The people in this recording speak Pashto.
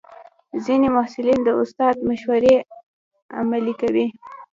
ځینې محصلین د استاد مشورې عملي کوي.